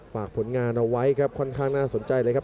ฝากผลงานเอาไว้ครับค่อนข้างน่าสนใจเลยครับ